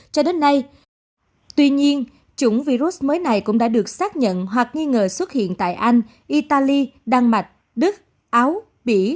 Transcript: cho đến nay tuy nhiên chủng virus mới này cũng đã được xác nhận hoặc nghi ngờ xuất hiện tại anh italy đan mạch đức áo bỉ